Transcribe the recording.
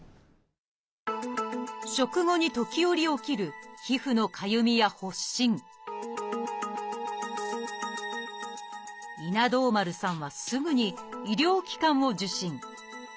食後に時折起きる皮膚のかゆみや発疹稲童丸さんはすぐに医療機関を受診。